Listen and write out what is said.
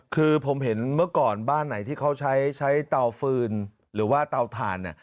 คือผมเห็นเมื่อก่อนบ้านไหนที่เขาใช้เตาฟืนหรือว่าเตาถ่าน